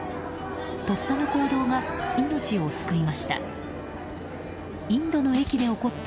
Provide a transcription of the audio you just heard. とっさの行動が命を救いました。